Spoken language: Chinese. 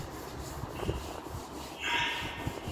梅特乔辛一带原为沙利殊原住民族的地域。